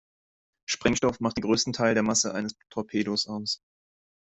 Sprengstoff macht den größten Teil der Masse eines Torpedos aus.